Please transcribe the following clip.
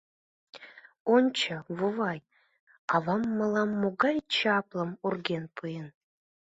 Ончо, вовай, авам мылам могай чаплым урген пуэн!